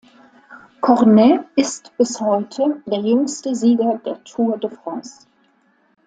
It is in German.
Cornet ist bis heute der jüngste Sieger der Tour de France.